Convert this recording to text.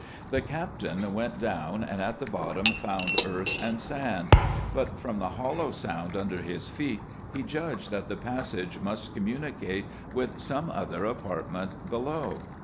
The captain went down, and at the bottom found earth and sand : but from the hollow sound under his feet, he judged, that the passage must communicate with some other apartment below.